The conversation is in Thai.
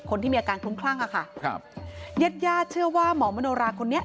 คนที่มีอาการคลุ้มคลั่งอ่ะค่ะครับญาติญาติเชื่อว่าหมอมโนราคนนี้